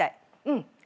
うん。